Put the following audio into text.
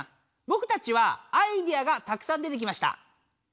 ぼくたちはアイデアがたくさん出てきました。